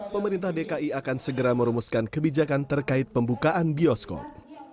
pemerintah dki akan segera merumuskan kebijakan terkait pembukaan bioskop